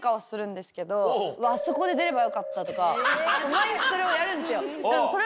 毎日それをやるんですよ。